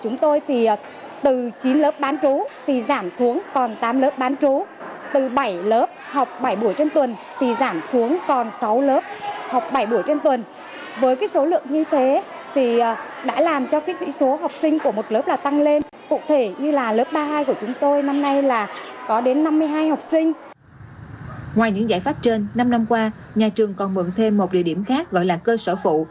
ngoài những giải pháp trên năm năm qua nhà trường còn mượn thêm một địa điểm khác gọi là cơ sở phụ